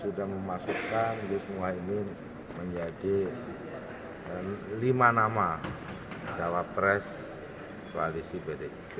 sudah memasukkan gus mohi ini menjadi lima nama jawab pres koalisi pdip